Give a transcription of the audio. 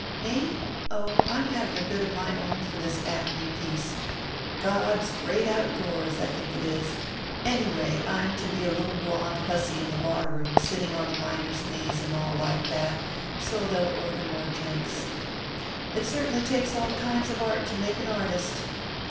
Me? Oh, I'm having a bit of my own in this Acme piece God's Great Outdoors, I think it is anyway, I'm to be a little blonde hussy in the bar room, sitting on the miners' knees and all like that, so they'll order more drinks. It certainly takes all kinds of art to make an artist.